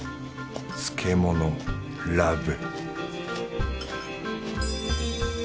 漬け物ラブ